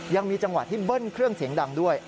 ยังมีจังหวะที่เบิ้ลเครื่องเสียงดังด้วย